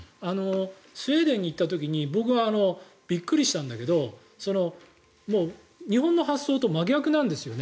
スウェーデンに行った時に僕はびっくりしたんだけど日本の発想と真逆なんですよね。